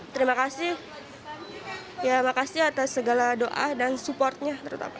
terima kasih ya makasih atas segala doa dan supportnya